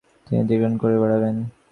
তিনি কীর্তন করে বেড়াতেন।